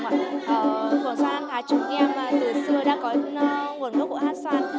phường xoan an thái chúng em từ xưa đã có nguồn lúc của hát xoan